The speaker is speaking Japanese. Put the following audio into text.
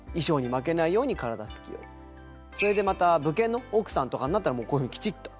それでまた武家の奥さんとかになったらもうこういうふうにきちっと。